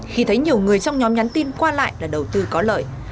khi thấy nhiều người trong nhóm nhắn tin qua lại là đầu tư có lợi